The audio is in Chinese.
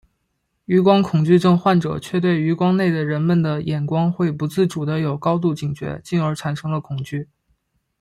余光恐惧症患者却对余光内的人们的眼光会不自主的有高度警觉进而产生了恐惧。